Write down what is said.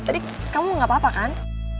tadi kamu gak apa apa kan